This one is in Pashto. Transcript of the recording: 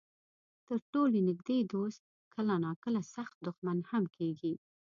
تر ټولو نږدې دوست کله ناکله سخت دښمن هم کېږي.